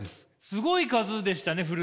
すごい数でしたね古着。